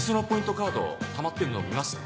カードたまってるの見ます？